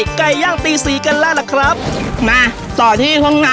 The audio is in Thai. กับไก่ย่างตีสีกันล่ะล่ะครับมาต่อที่ช่วงใน